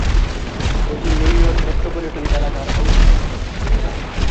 এটি New York metropolitan এলাকার অংশ।